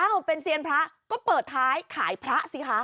เป็นเซียนพระก็เปิดท้ายขายพระสิคะ